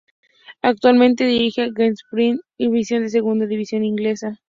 Actualmente dirige al West Bromwich Albion de la Segunda División inglesa.